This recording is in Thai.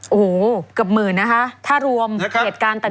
โอ้โหเกือบหมื่นนะคะถ้ารวมเหตุการณ์ต่าง